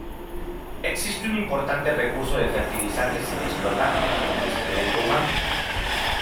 Existe un importante recurso de fertilizante sin explotar en el excremento humano.